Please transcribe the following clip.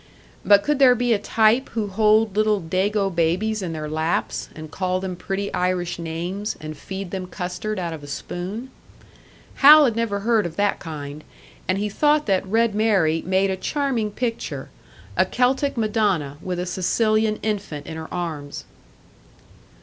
But could there be a type who hold little Dago babies in their laps, and call them pretty Irish names, and feed them custard out of a spoon? Hal had never heard of that kind, and he thought that "Red Mary" made a charming picture a Celtic madonna with a Sicilian infant in her arms.